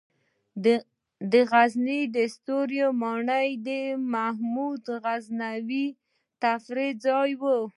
د غزني د ستوري ماڼۍ د محمود غزنوي د تفریح ځای و